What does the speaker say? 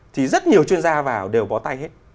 thì rất nhiều chuyên gia vào đều có tay hết